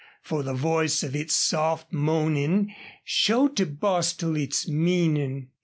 For the voice of its soft moaning showed to Bostil its meaning.